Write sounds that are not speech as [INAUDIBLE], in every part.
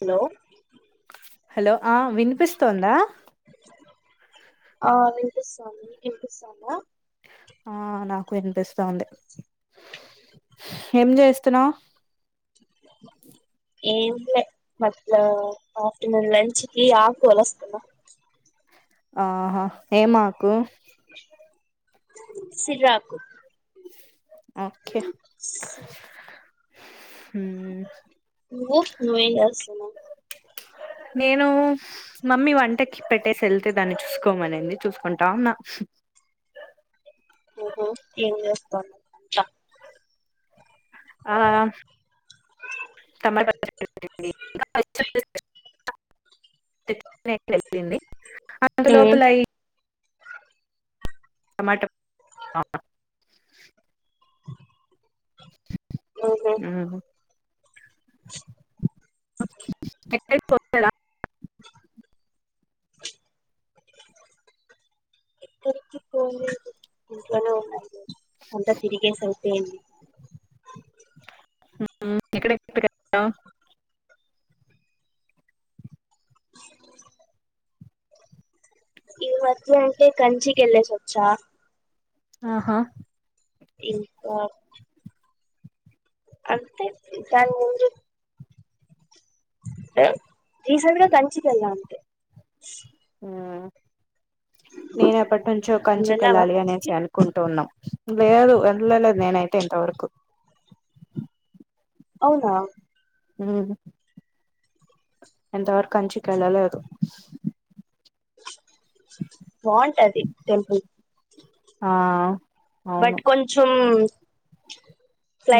Hello hello ఆ వినిపిస్తోందా ఆ వినిపిస్తాంది మీకు వినిపిస్తాందా ఆ నాకు వినిపిస్తాంది ఏం చేస్తున్నావ్ ఏం లే బట్ ఆఫ్టర్నూన్ లంచ్ కి ఆకుల వస్తున్నా ఆహా ఏ ఆకు సిర్రాకు ఓకే ఉ నువ్వు నువ్వేం చేస్తున్నావ్ నేను మమ్మీ వంటకి పెట్టేసి వెళ్తే దాన్ని చూసుకోమనింది. చూసుకుంటా ఉన్న ఉహు ఏం చేస్తున్నావ్ ఆ టమాట పచ్చడి ఇంకా మ్మ్ అంతలోపల టమాటా ఊహూ ఉహు ఎక్కడికి పోలేదా? ఇక్కడికి పోయేది ఇంట్లోనే ఉండండి అంతా తిరిగేసి అయిపోయింది ఉ ఉ ఎక్కడ ఎక్కడ వెళ్లావు ఈమధ్య అంటే కంచికి వెళ్ళేసొచ్చా ఆహా ఇంకా అంతే దాని ముందు ఆ రీసెంట్గా కంచికెల్లా అంతే ఆ నేను ఎప్పటి నుంచో నువ్వు వెళ్ళావా కంచికెళ్ళాలి అనేసి కంచికి అను కుంటు ఉన్నాం లేదు వెళ్ళలేదు నేనైతే ఇంతవరకు అవునా ఉమ్ ఇంతవరకు కంచికెళ్ళలేదు బాగుంటది టెంపుల్ ఆ అవును బట్ కొంచం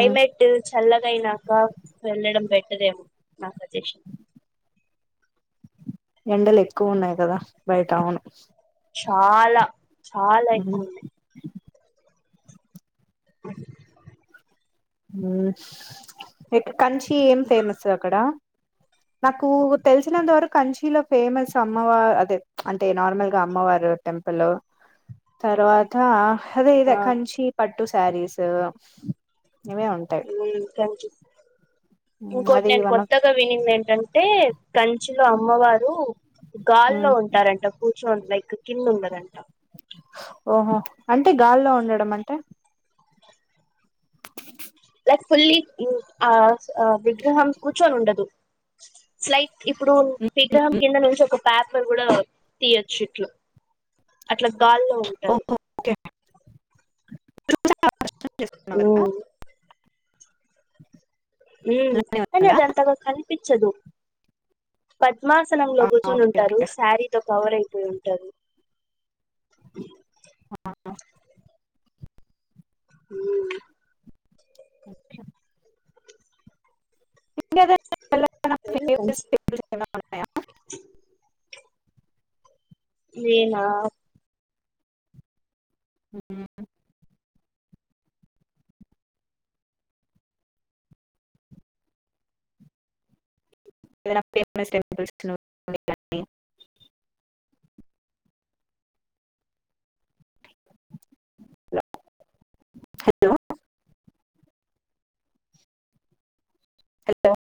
ఉమ్ టిల్ చల్లగా అయినాక వెళ్ళడం బెటరేమో నా సజెషన్ ఎండలు ఎక్కువ ఉన్నాయి కదా బయట అవును చాలా చాలా ఉమ్ ఎక్కువున్నాయి ఉమ్ ఉమ్ ఇక కంచి ఏం ఫేమస్ అక్కడ నాకు తెలిసినంతవరకు కంచీలో ఫేమస్ అమ్మవా అదే అంటే నార్మల్ గా అమ్మవారు టెంపుల్ తర్వాత అదే ఇగ ఆ కంచి పట్టు సారీస్ ఇవే ఉంట ఉమ్ కంచి ఉమ్ ఇంకోటి అది నేను వన్ ఆఫ్ కొత్తగా వినింది ఏంటంటే కంచిలో అమ్మవారు గాల్లో ఉమ్ ఉంటారంట కూర్చొని లైక్ కింద ఉండరంట ఓహో అంటే గాల్లో ఉండడం అంటే ఫుల్లి ఆ విగ్రహం కూర్చోని ఉండదు లైక్ ఇప్పుడు విగ్రహం కింద నుంచి ఒక పేపర్ గూడా తీయొచ్చు ఇట్లు అట్లా గాల్లో ఉంటారు ఓహో ఓకే [UNINTELLIGIBLE] చేస్తున్నవ్ గదా [INAUDIBLE] ఉమ్ ఉమ్ కాని అది అంతగా కనిపించదు పద్మాసనంలో ఆ, కూర్చొని ఓకే ఉంటారు ఓకే శారీతో కవర్ అయిపోయి ఉంటారు ఆ ఉమ్ ఓకే ఇన్నిరోజులు నాకు దెలువద్ నాకు వెళ్ళు ఎవరు కంచి. చెప్పలేదు నాకు [INAUDIBLE] నేనా ఉమ్ అక్కడ ఫేమస్ టెంపుల్స్ జూసినవ్ హలో హలో